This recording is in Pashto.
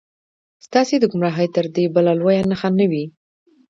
ستاسې د ګمراهۍ تر دې بله لویه نښه نه وي.